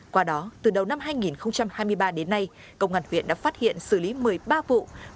qua đó từ đầu năm hai nghìn hai mươi ba đến nay công an huyện đã phát hiện xử lý một mươi ba vụ